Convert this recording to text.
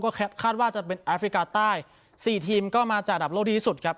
ก็คาดว่าจะเป็นแอฟริกาใต้๔ทีมก็มาจากระดับโลกดีที่สุดครับ